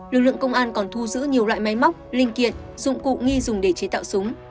lực lượng công an còn thu giữ nhiều loại máy móc linh kiện dụng cụ nghi dùng để chế tạo súng